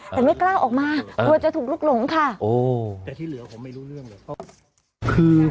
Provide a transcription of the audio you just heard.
แต่ไม่กล้าออกมากลัวจะถูกลุกหลงค่ะโอ้แต่ที่เหลือผมไม่รู้เรื่องเลย